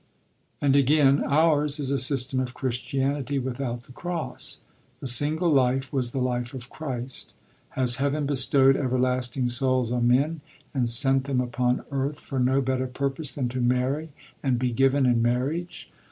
And again: "Ours is a system of Christianity without the Cross"; the single life was the life of Christ. "Has Heaven bestowed everlasting souls on men, and sent them upon earth for no better purpose than to marry and be given in marriage?